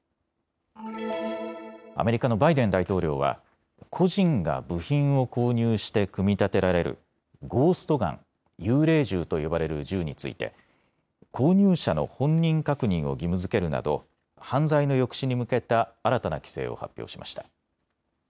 アメリカのバイデン大統領は個人が部品を購入して組み立てられるゴースト・ガン・幽霊銃と呼ばれる銃について購入者の本人確認を義務づけるなど犯罪の抑止に向けた新たな規制を発表しました。